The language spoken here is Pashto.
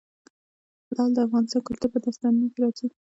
لعل د افغان کلتور په داستانونو کې راځي.